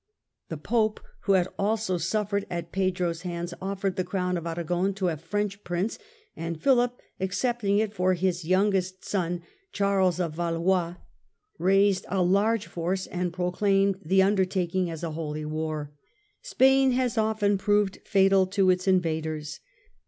The Pope, who had also suffered at Pedro's hands, offered the Crown of Aragon to a French Prince, and Philip, accepting it for his youngest son Charles of Valois, raised a large force, and proclaimed the under taking as a Holy War. Spain has often proved fatal to its invaders.